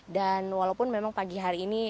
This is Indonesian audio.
dan walaupun memang pagi hari ini